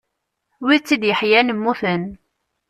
Wid tt-id-yeḥyan mmuten.